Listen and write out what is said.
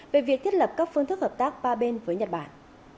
về việc thiết lập các phương thức hợp tác ba bên với nhật bản